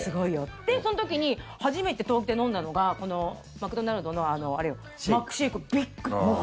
で、その時に初めて東京で飲んだのがこのマクドナルドのマックシェイク。